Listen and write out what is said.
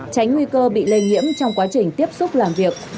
tránh nguy cơ bị lây nhiễm trong quá trình tiếp xúc làm việc